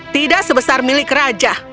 tidak sebesar milik raja